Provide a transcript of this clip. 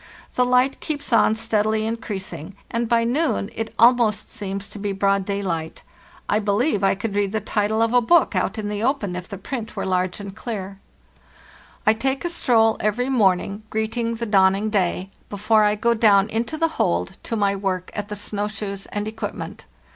The light keeps on steadily increasing, and by noon it almost seems to be broad daylight. I believe I could read the title of a book out in the open if the print were large and clear. THE NEW YEAR, 1895 DY ot I take a stroll every morning, greeting the dawning day, before I go down into the hold to my work at the snow shoes and equipment.